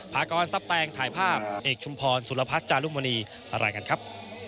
พากรทรัพย์แตงถ่ายภาพเอกชุมพรสุรพัฒน์จารุมณีอะไรกันครับ